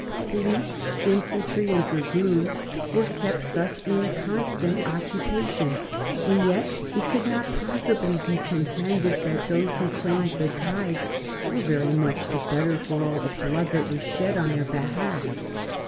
Police, infantry, and dragoons were kept thus in constant occupation, and yet it could not possibly be contended that those who claimed the tithes were very much the better for all the blood that was shed on their behalf.